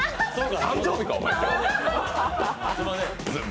誕生日かおまえ！